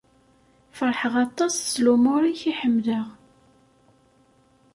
Ferḥeɣ aṭas s lumuṛ-ik i ḥemmleɣ.